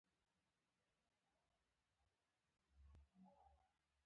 غیرتمند د بد نیت مخه نیسي